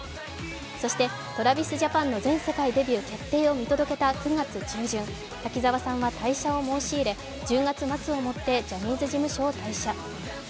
そしてＴｒａｖｉｓＪａｐａｎの全世界デビュー決定を見届けた９月中旬、滝沢さんは退社を申し入れ１０月末をもってジャニーズ事務所を退社。